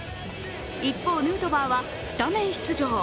一方、ヌートバーはスタメン出場。